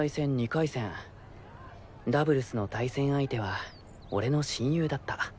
２回戦ダブルスの対戦相手は俺の親友だった。